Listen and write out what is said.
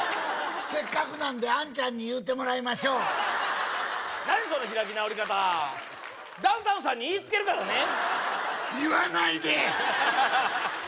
せっかくなんで杏ちゃんに言うてもらいましょう何その開き直り方ダウンタウンさんに言いつけるからね言わないで！